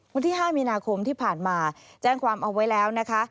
วันที่๕มีนาคมที่ผ่านมาแจ้งความเอาไว้แล้วนะคะ